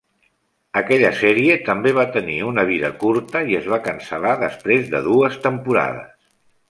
Aquella sèrie també va tenir una vida curta i es va cancel·lar després de dues temporades.